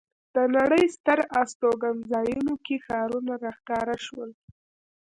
د نړۍ ستر استوګنځایونو کې ښارونه را ښکاره شول.